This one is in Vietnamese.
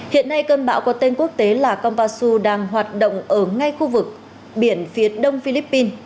hiện nay cơn bão có tên quốc tế là kompasu đang hoạt động ở ngay khu vực biển phía đông philippines